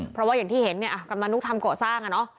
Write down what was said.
เพราะว่าอย่างที่เห็นเนี่ยกำลังนกทำเกาะสร้างอ่ะเนอะ